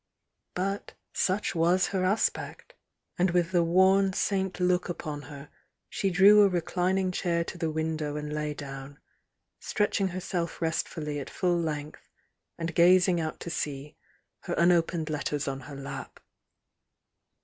But such was her as pect. And with the worn saint look upon her, she •^.rew a reclining chair to the window and lay down, stretching herself restfuUy at full length, and gaz ing out to sea, her unopened letters on her lap.